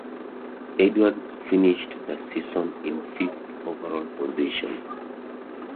Edwards finished the season in fifth overall position.